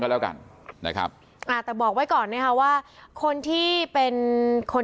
มีกล้วยติดอยู่ใต้ท้องเดี๋ยวพี่ขอบคุณ